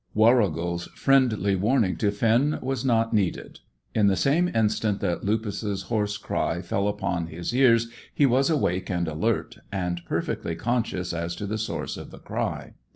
Warrigal's friendly warning to Finn was not needed. In the same instant that Lupus's hoarse cry fell upon his ears he was awake and alert, and perfectly conscious as to the source of the cry.